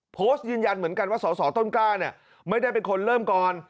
โพสต์ยืนยันเหมือนกันว่าสสต้นกล้าเนี่ยไม่ได้เป็นคนเริ่มก่อน